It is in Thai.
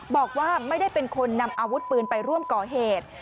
บอกว่าไม่ได้เป็นคนนำอาวุธปืนไปร่วมก่อเหตุ